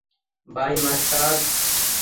By, master.